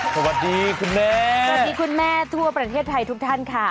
สวัสดีคุณแม่สวัสดีคุณแม่ทั่วประเทศไทยทุกท่านค่ะ